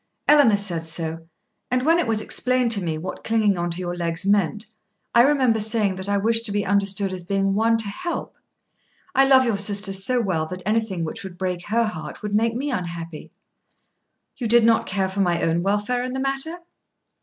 "Eleanor said so; and when it was explained to me, what clinging on to your legs meant, I remember saying that I wished to be understood as being one to help. I love your sister so well that anything which would break her heart would make me unhappy." "You did not care for my own welfare in the matter?"